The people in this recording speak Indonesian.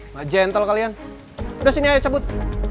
nggak gentle kalian udah sini ayo cabut